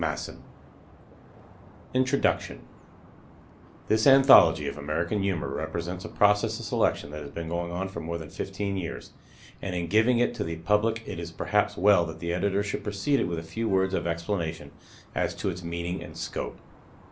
Mark Twain] INTRODUCTION This anthology of American Humor represents a process of selection that has been going on for more than fifteen years, and in giving it to the public it is perhaps well that the Editor should precede it with a few words of explanation as to its meaning and scope.